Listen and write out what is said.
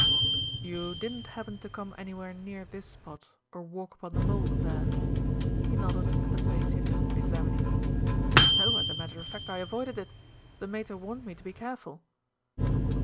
"You didn't happen to come anywhere near this spot, or walk upon the mould there?" He nodded at the place he had just been examining. "No; as a matter of fact, I avoided it. The Mater warned me to be careful."